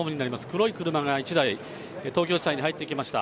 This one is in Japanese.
黒い車が一台、東京地裁に入ってきました。